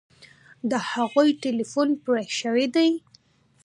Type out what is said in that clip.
د هغوی ټیلیفون پرې شوی دی